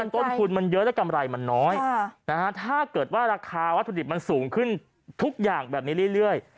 ต้นทุนมันเยอะและกำไรมันน้อยถ้าเกิดว่าราคาวัตถุดิบมันสูงขึ้นทุกอย่างแบบนี้เรื่อย